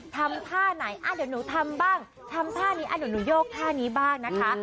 ทำท่าไหนเดี๋ยวหนูทำบ้างทำท่านี้หนูโยกท่านี้บ้างนะคะ